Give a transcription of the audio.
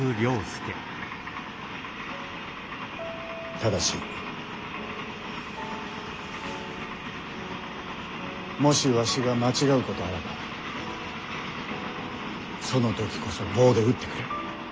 ただしもしわしが間違うことあらばその時こそ棒で打ってくれ。